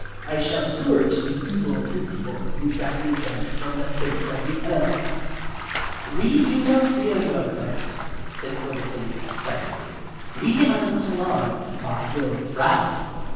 I shall scourge the evil principle you represent from the face of the earth." "We do not fear your threats," said Quimbleton stoutly. "We are not alarmed by your frown."